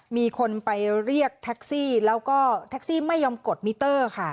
มีคนไปเรียกแท็กซี่แล้วก็แท็กซี่ไม่ยอมกดมิเตอร์ค่ะ